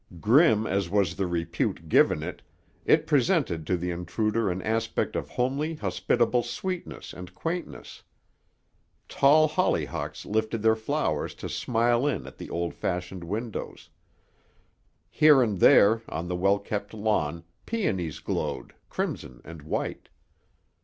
Grim as was the repute given it, it presented to the intruder an aspect of homely hospitable sweetness and quaintness. Tall hollyhocks lifted their flowers to smile in at the old fashioned windows. Here and there, on the well kept lawn, peonies glowed, crimson and white.